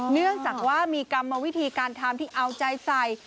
เนื่องจากว่ามีกรรมวิธีการทำที่เอาใจใส่